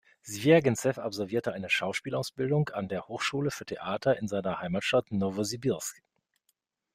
Swjaginzew absolvierte eine Schauspielausbildung an der Hochschule für Theater in seiner Heimatstadt Nowosibirsk.